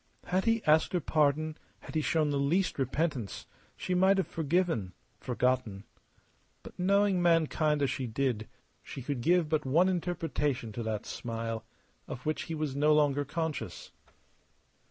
Had he asked her pardon, had he shown the least repentance, she might have forgiven, forgotten. But knowing mankind as she did she could give but one interpretation to that smile of which he was no longer conscious.